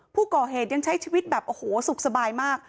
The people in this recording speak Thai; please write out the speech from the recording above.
ผู้ก่อเหตุยังใช้ชีวิตแบบโอ้โหสุขสบายมาก